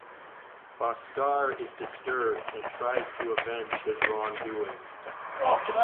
Bhaskar is disturbed and tries to avenge his wrongdoings.